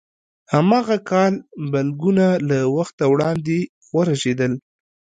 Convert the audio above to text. هماغه کال بلګونه له وخته وړاندې ورژېدل.